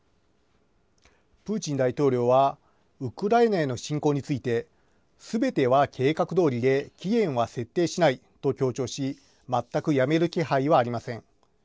プーチン大統領は、ウクライナへの侵攻についてすべては計画どおりで、期限は設定しないと強調し、全くやめる気配はありません。